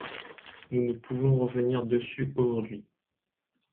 Nous ne pouvons revenir dessus aujourd’hui.